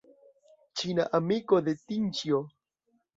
Ĉina amiko de Tinĉjo.